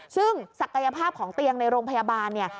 ซึ่งศักยภาพของเตียงในโรงพยาบาลเนี่ย